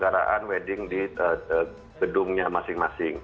dan anggaran wedding di gedungnya masing masing